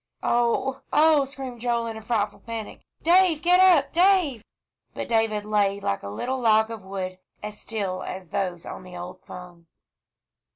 "Oh oh!" screamed Joel, in a frightful panic. "Dave get up, Dave!" But David lay like a little log of wood, as still as those on the old pung.